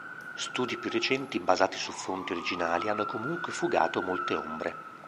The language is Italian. Studi più recenti basati su fonti originali hanno comunque fugato molte ombre.